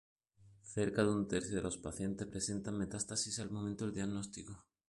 Cerca de un tercio de los pacientes presentan metástasis al momento del diagnóstico.